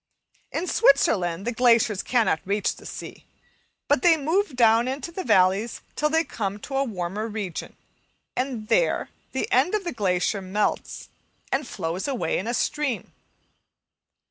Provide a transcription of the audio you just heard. In Switzerland the glaciers cannot reach the sea, but they move down into the valleys till they come to a warmer region, and there the end of the glacier melts, and flows away in a stream.